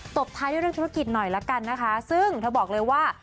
ตบท้ายด้วยเรื่องธุรกิจหน่อยละกันนะคะซึ่งเธอบอกเลยว่า